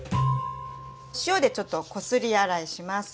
塩でちょっとこすり洗いします。